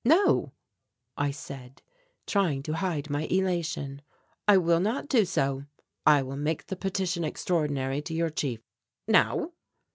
"No," I said, trying to hide my elation. "I will not do so. I will make the Petition Extraordinary to your chief." "Now?"